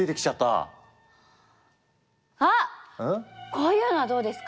こういうのはどうですか？